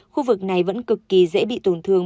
khu vực này vẫn cực kỳ dễ bị tổn thương